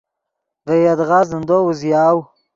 ڤے یدغا زندو اوزیاؤ.